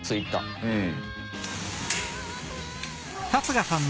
うん。